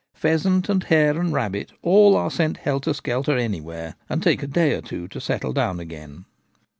Pheasant, and hare, and rabbit all are sent helter skelter anywhere, and take a day or two to settle down again.